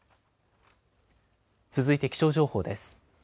続いて気象情報です。